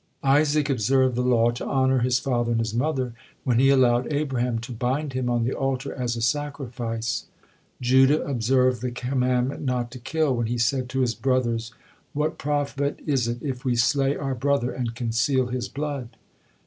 Isaac observed the law to honor his father and his mother, when he allowed Abraham to bind him on the altar as a sacrifice. Judah observed the commandment not to kill when he said to his brothers, 'What profit is it if we slay our brother and conceal his blood?'